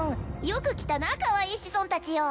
よく来たなかわいい子孫達よ